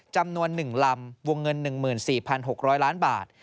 จำนวน๑ลำวงเงิน๑๔๖๐๐ล้านบาท